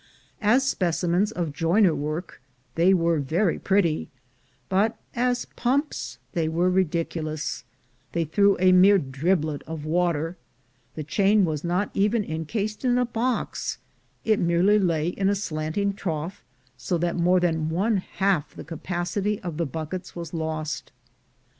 As specimens of joiner work they were very pretty, but as pumps they were ridiculous; they threw a mere driblet of water: the chain was not even encased in a box — it merely lay in a slanting trough, so that more than one half the capacity of the buckets was lost.